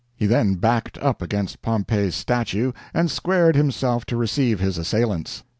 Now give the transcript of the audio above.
He then backed up against Pompey's statue, and squared himself to receive his assailants.